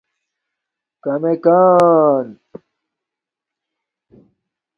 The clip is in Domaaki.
کمک آن